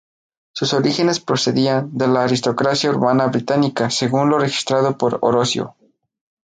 Sus orígenes procedían de la aristocracia urbana británica, según lo registrado por Orosio.